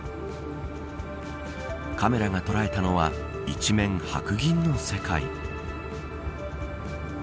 カメラが捉えたのは一面白銀の世界。